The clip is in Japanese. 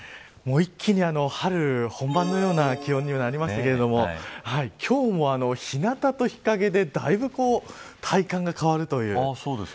一気に春本番のような気温になりましたけれども今日も、日なたと日陰でだいぶ体感が変わるという。